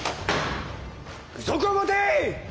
具足を持て！